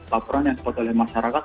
laporan yang dibuat oleh masyarakat